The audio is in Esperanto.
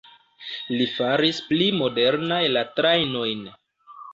Li faris pli modernaj la trajnojn.